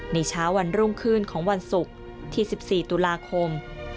ในเช้าวันรุ่งขึ้นของวันศุกร์ที่๑๔ตุลาคม